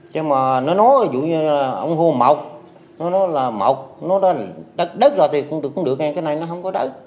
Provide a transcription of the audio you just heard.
nhưng mà nó nói ví dụ như là ông hô mọc nó nói là mọc nó đất rồi thì cũng được cái này nó không có đất